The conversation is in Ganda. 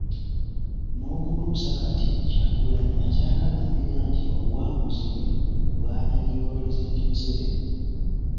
N'okutuusa kati Kyagulanyi akyakalambira nti obuwanguzi bwe bwanyagibwa Pulezidenti Museveni